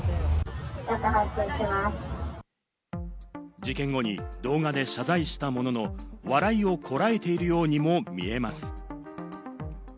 事件後に動画で謝罪したものの、笑いをこらえているようにも見えます。